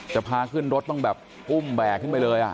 จะพาขึ้นรถต้องแบบอุ้มแบกขึ้นไปเลย